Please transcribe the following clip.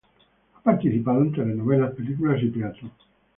Ha participado en telenovelas, películas y teatro.